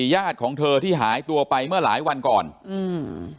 ญาติของเธอที่หายตัวไปเมื่อหลายวันก่อนอืม